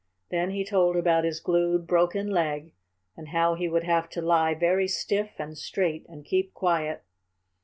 Then he told about his glued, broken leg, and how he would have to lie very stiff and straight and keep quiet.